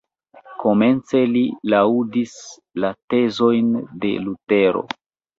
Komence li laŭdis la tezojn de Lutero.